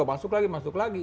masuk lagi masuk lagi